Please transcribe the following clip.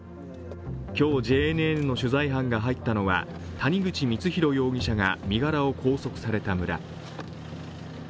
今日ＪＮＮの取材班が入ったのは谷口光弘容疑者が身柄を拘束された村。